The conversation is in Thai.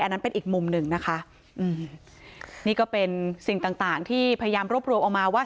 อันนั้นเป็นอีกมุมหนึ่งนะคะอืมนี่ก็เป็นสิ่งต่างต่างที่พยายามรวบรวมออกมาว่า